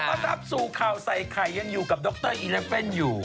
คนประทับสูคราวใส่ไข่ยังอยู่กับดรอิเลฟเฟ่นอยู่